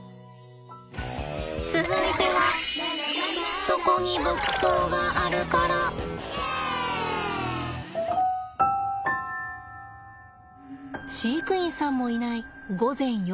続いては飼育員さんもいない午前４時です。